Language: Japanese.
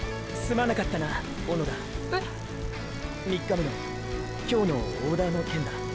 ３日目の今日のオーダーの件だ。